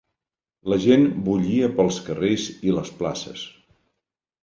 La gent bullia pels carrers i les places.